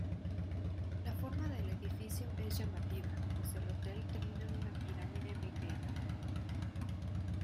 La forma del edificio es llamativa, pues el hotel termina en una pirámide vidriada.